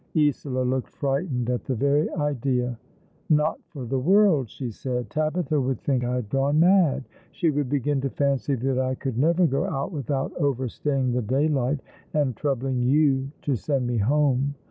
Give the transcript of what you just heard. Isola looked frightened at the very idea. "Not for the world!" she said. "Tabitha would think I had gone mad. She would begin to fancy that I could never go out without over staying the daylight, and troubling you to send me home."